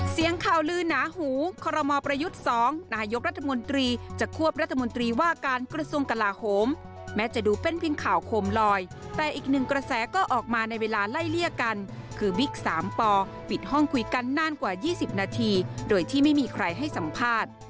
เสียงข่าวลือหนาหูคอรมอประยุทธ์๒นายกรัฐมนตรีจะควบรัฐมนตรีว่าการกระทรวงกลาโหมแม้จะดูเป็นเพียงข่าวโคมลอยแต่อีกหนึ่งกระแสก็ออกมาในเวลาไล่เลี่ยกันคือบิ๊กสามปปิดห้องคุยกันนานกว่า๒๐นาทีโดยที่ไม่มีใครให้สัมภาษณ์